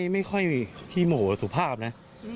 ไม่ค่อยมีพี่โมสุภาพนะ